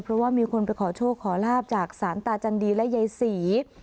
เพราะว่ามีคนไปขอโชคขอลาบจากสารตาจันดีและยายศรี